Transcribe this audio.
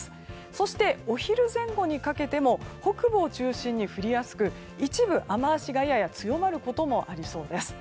そしてお昼前後にかけても北部を中心に降りやすく一部、雨脚がやや強まることもありそうです。